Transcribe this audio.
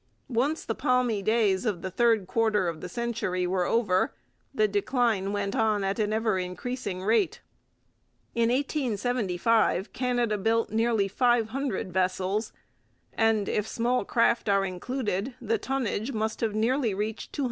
Once the palmy days of the third quarter of the century were over the decline went on at an ever increasing rate. In 1875 Canada built nearly 500 vessels, and, if small craft are included, the tonnage must have nearly reached 200,000.